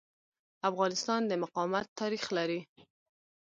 افغانستان د مقاومت تاریخ لري.